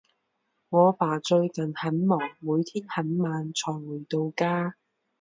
我爸最近很忙，每天很晚才回到家。